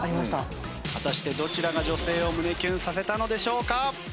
果たしてどちらが女性を胸キュンさせたのでしょうか？